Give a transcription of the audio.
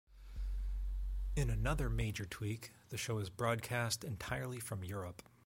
In another major tweak, the show is broadcast entirely from Europe.